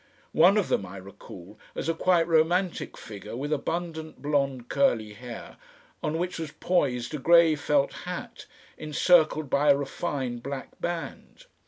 One of them I recall as a quite romantic figure with abundant blond curly hair on which was poised a grey felt hat encircled by a refined black band.